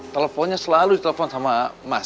teleponnya selalu di telepon sama mas